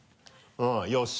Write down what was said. うんよし！